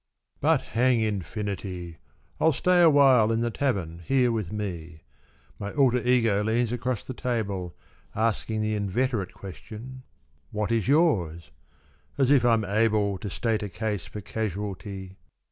But hang infinity — I'll stay awhile in the tavern here with me. Aly alter ego leans across the table Asking the inveterate question, " What is yours? " As if I'm able To state a case for Casualty